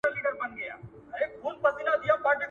دا علم په اکاډميکو ځايونو کې لوستل کېږي.